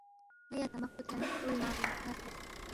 نا یا تمق پو تھینس۔ حر لنگس تیانگسے کھیرس۔